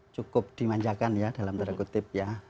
cukup dimanjakan ya dalam tanda kutip ya